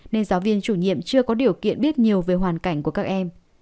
nên giáo viên chủ nhiệm chưa có điều kiện biết nhiều về hoàn cảnh của các em